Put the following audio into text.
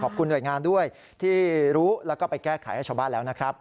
หน่วยงานด้วยที่รู้แล้วก็ไปแก้ไขให้ชาวบ้านแล้วนะครับ